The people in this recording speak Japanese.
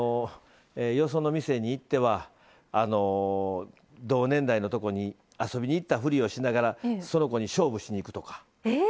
よその店に行っては同年代のとこに遊びに行ったふりをしながらその子に勝負しにいくとか。